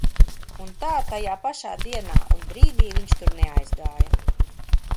Un tā tajā pašā dienā un brīdī viņš tur neaizgāja.